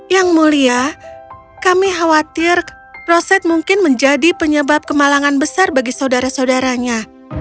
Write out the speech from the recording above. yang mulia kami khawatir roset mungkin menjadi penyebab kemalangan besar bagi saudara saudaranya